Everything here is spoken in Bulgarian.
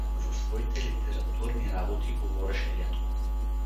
За своите литературни работи говореше рядко.